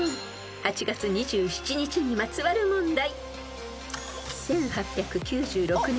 ［８月２７日にまつわる問題］